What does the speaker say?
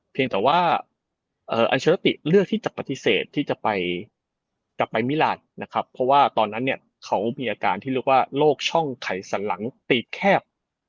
เพียงแต่ว่าอัลเชอร์ติเลือกที่จะปฏิเสธที่จะไปกลับไปมิลานนะครับเพราะว่าตอนนั้นเนี่ยเขามีอาการที่เรียกว่าโรคช่องไขสันหลังตีแคบ